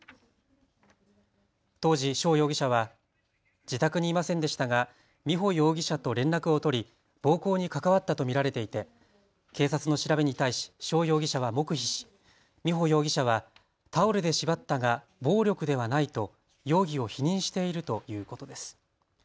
当時、翔容疑者は自宅にいませんでしたが美穂容疑者と連絡を取り暴行に関わったと見られていて警察の調べに対し翔容疑者は黙秘し美穂容疑者はタオルで縛ったが暴力ではないと容疑を否認しているということです。